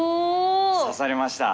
刺さりました。